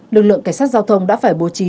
lực lượng cảnh sát giao thông đã phải bố trí